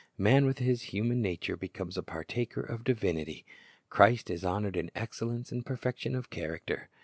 Man with his human nature becomes a partaker of divinity. Christ is honored in excellence and perfection of character.